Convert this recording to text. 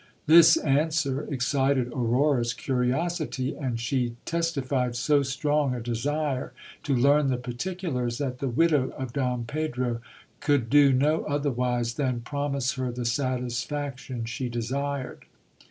This answer excited Aurora's curiosity ; and she testified so strong a desire to learn the particulars, that the widow of Don Pedro could do no otherwise than promise her the satisfaction she desired.